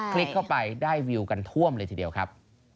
ลิกเข้าไปได้วิวกันท่วมเลยทีเดียวครับ